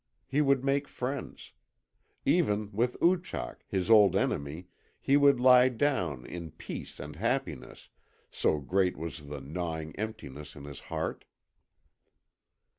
He would make friends. Even with Oochak, his old enemy, he would lie down in peace and happiness, so great was the gnawing emptiness in his heart.